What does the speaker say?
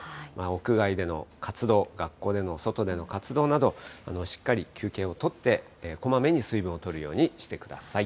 屋外での活動、学校での外での活動など、しっかり休憩をとって、こまめに水分をとるようにしてください。